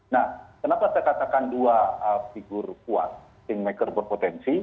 nah kenapa saya katakan dua figur kuat kingmaker berpotensi